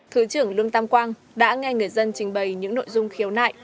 thứ trưởng lương tam quang đã nghe người dân trình bày những nội dung khiếu nại